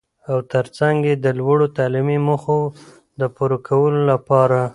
او تر څنګ يې د لوړو تعليمي موخو د پوره کولو لپاره.